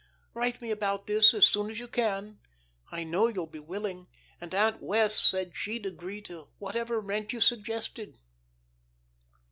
Write me about this as soon as you can. I know you'll be willing, and Aunt Wess, said she'd agree to whatever rent you suggested.